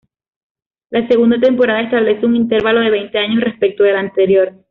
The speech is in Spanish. La segunda temporada establece un intervalo de veinte años respecto de la anterior.